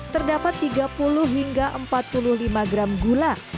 terdapat tiga puluh hingga empat puluh lima gram gula